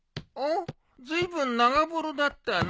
ずいぶん長風呂だったな。